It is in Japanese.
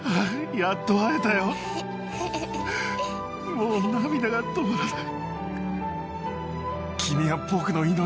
もう涙が止まらない。